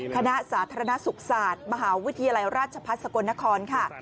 สาธารณสุขศาสตร์มหาวิทยาลัยราชพัฒน์สกลนครค่ะ